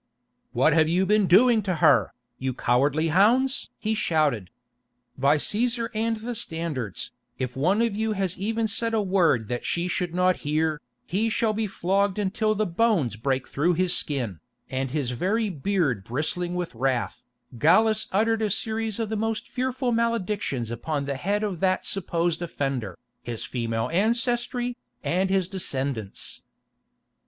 "What have you been doing to her, you cowardly hounds?" he shouted. "By Cæsar and the Standards, if one of you has even said a word that she should not hear, he shall be flogged until the bones break through his skin," and his very beard bristling with wrath, Gallus uttered a series of the most fearful maledictions upon the head of that supposed offender, his female ancestry, and his descendants.